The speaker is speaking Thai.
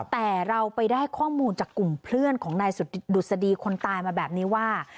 แต่เราไปได้ข้อมูลจากกลุ่มเพื่อนของนายดุษฎีคนตายมาแบบนี้ว่า